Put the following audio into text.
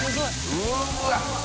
うわ！